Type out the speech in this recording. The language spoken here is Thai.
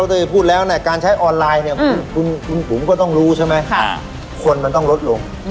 แต่การใช้ออนไลน์คุณบุ๋มก็ต้องรู้ใช่ไหมคนมันต้องลดลง